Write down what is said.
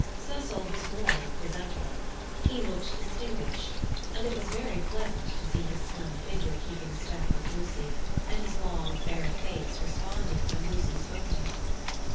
Cecil was more than presentable; he looked distinguished, and it was very pleasant to see his slim figure keeping step with Lucy, and his long, fair face responding when Lucy spoke to him.